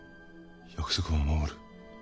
約束は守る。